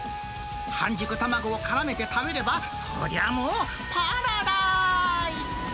半熟卵をからめて食べれば、そりゃもう、パラダイス。